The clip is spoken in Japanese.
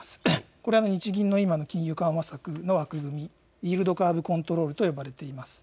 これは日銀の今の金融緩和策の枠組み、イールドカーブ・コントロールと呼ばれています。